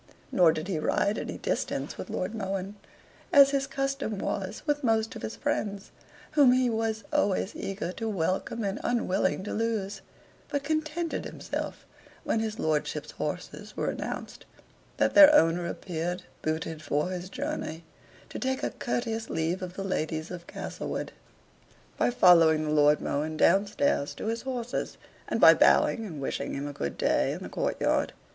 Nor did he ride any distance with Lord Mohun, as his custom was with most of his friends, whom he was always eager to welcome and unwilling to lose; but contented himself, when his lordship's horses were announced, and their owner appeared, booted for his journey, to take a courteous leave of the ladies of Castlewood, by following the Lord Mohun down stairs to his horses, and by bowing and wishing him a good day, in the court yard.